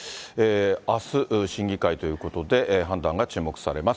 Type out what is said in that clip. あす、審議会ということで、判断が注目されます。